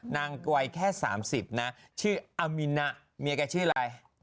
วัยแค่๓๐นะชื่ออามินะเมียแกชื่ออะไร